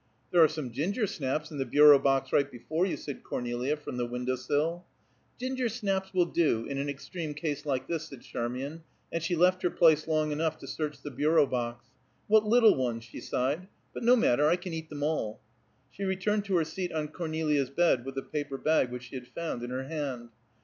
"There are some ginger snaps in the bureau box right before you," said Cornelia from the window sill. "Ginger snaps will do, in an extreme case like this," said Charmian, and she left her place long enough to search the bureau box. "What little ones!" she sighed. "But no matter; I can eat them all." She returned to her seat on Cornelia's bed with the paper bag which she had found, in her hand.